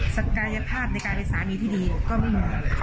ศักยภาพในการเป็นสามีที่ดีก็ไม่มี